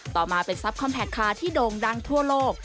ต่อมาเป็นทรัพย์คอมแพคคาร์ที่โด่งดังทั่วโลก